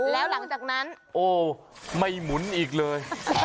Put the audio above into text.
แล้วหลังจากนั้นโอ้ไม่หมุนอีกเลย